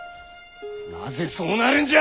なぜそうなるんじゃ！